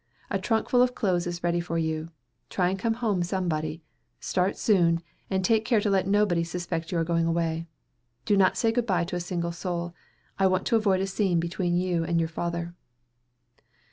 A trunk full of clothes is ready for you. Try and come home somebody. Start soon, and take care to let nobody suspect you are going away. Do not say good bye to a single soul. I want to avoid a scene between you and your father."